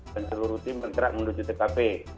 dan seluruh tim bergerak menuju tkp